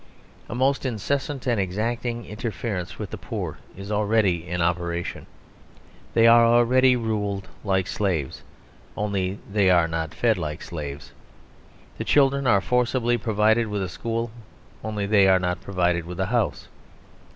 A most incessant and exacting interference with the poor is already in operation; they are already ruled like slaves, only they are not fed like slaves. The children are forcibly provided with a school; only they are not provided with a house.